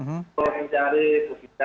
untuk mencari bukitnya